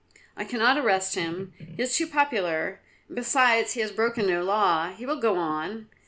"I cannot arrest him; he is too popular, and besides he has broken no law. He will go on.